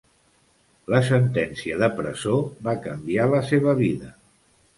La sentència de presó va canviar la seva vida.